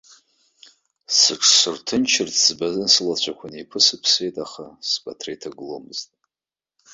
Сыҽсырҭынчырц ӡбаны, сылацәақәа неиқәысԥсеит, аха сгәы аҭра иҭагыломызт.